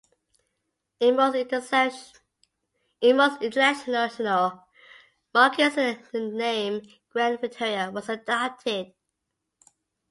In most international markets the name "Grand Vitara" was adopted.